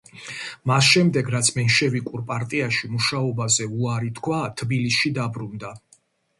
მას შემდეგ, რაც მენშევიკურ პარტიაში მუშაობაზე უარი თქვა, თბილისში დაბრუნდა.